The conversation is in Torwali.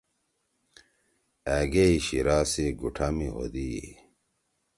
أگِئی شیرا سی گُوٹھا می ہوئی۔